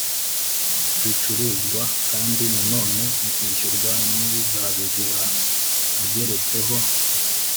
bicuruzwa, kandi na none akishyurwa n'uzabigura ageretse ho